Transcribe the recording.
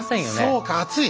そうか暑い！